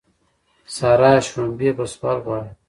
سارا شړومبې په سوال غواړي.